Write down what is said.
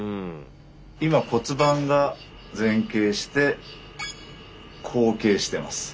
今骨盤が前傾して後傾しています。